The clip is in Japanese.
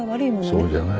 そうじゃない。